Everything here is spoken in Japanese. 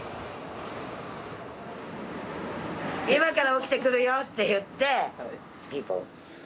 「今から起きてくるよ」って言ってピンポン。